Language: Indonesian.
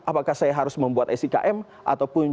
apakah saya harus membuat sikm ataupun